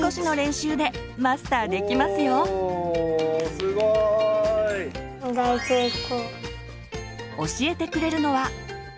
すごい！教えてくれるのは。